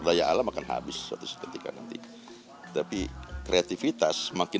dalam musik ini